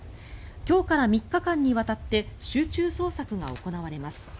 今日から３日間にわたって集中捜索が行われます。